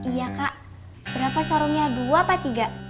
iya kak berapa sarungnya dua apa tiga